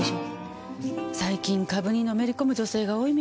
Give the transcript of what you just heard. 最近株にのめり込む女性が多いみたいですね。